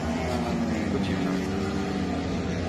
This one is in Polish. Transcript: To dziwne